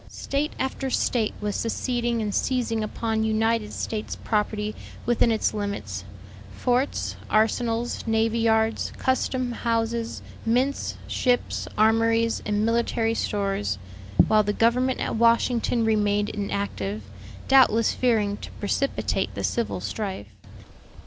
State after State was seceding and seizing upon United States property within its limits forts, arsenals, navy yards, custom houses, mints, ships, armories, and military stores while the government at Washington remained inactive, doubtless fearing to precipitate the civil strife.